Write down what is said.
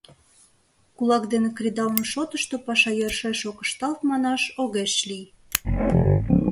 Кулак дене кредалме шотышто паша йӧршеш ок ышталт манаш огеш лий.